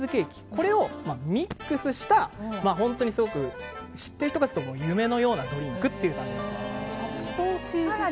これをミックスしたすごく知っている人からすると夢のようなドリンクという感じです。